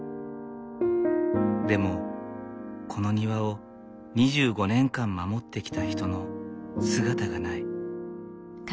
でもこの庭を２５年間守ってきた人の姿がない。